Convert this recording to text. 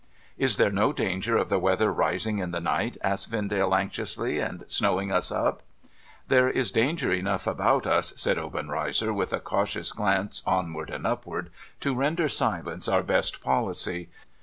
' Is there no danger of the weather rising in the night,' asked Vendale, anxiously, ' and snowing us up ?'' There is danger enough about us,' said Obenreizer, with a cautious glance onward and upward, ' to render silence our best policy.